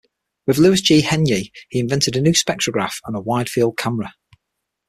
With Louis G. Henyey he invented a new spectrograph and a wide-field camera.